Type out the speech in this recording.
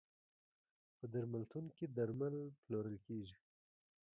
په درملتون کې درمل پلورل کیږی.